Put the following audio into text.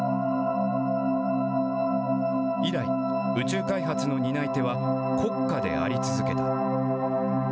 以来、宇宙開発の担い手は、国家であり続けた。